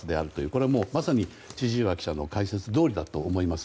これはまさに千々岩記者の解説どおりだと思います。